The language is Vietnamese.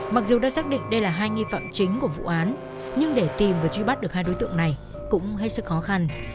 mặc dù đã xác định đây là hai nghi phạm chính của vụ án nhưng để tìm và truy bắt được hai đối tượng này cũng hết sức khó khăn